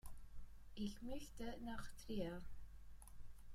Ich möchte nach Trier